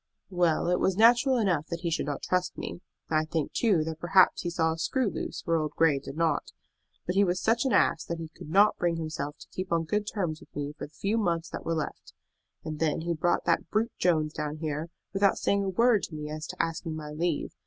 "Well, it was natural enough that he should not trust me. I think, too, that perhaps he saw a screw loose where old Grey did not; but he was such an ass that he could not bring himself to keep on good terms with me for the few months that were left. And then he brought that brute Jones down here, without saying a word to me as to asking my leave.